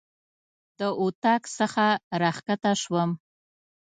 د اطاق څخه راکښته شوم.